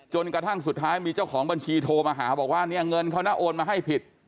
จนกระทั่งสุดท้ายมีเจ้าของบัญชีโทรมาหาบอกว่าเนี่ยเงินเขานะโอนมาให้ผิด